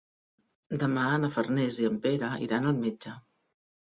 Demà na Farners i en Pere iran al metge.